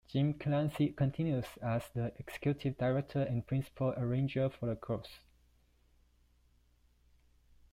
Jim Clancy continues as the Executive Director and principal arranger for the chorus.